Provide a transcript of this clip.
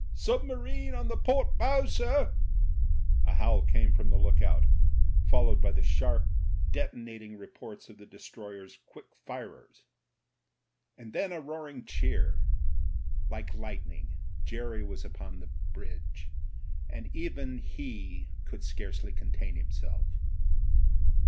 "Submarine on the port bow, sir." A howl came from the look out, followed by the sharp, detonating reports of the destroyer's quick firers. And then a it «1 RETRIBUTION 177 roaring cheer. Like lightning Jerry was upon the bridge, and even he could scarcely contain himself.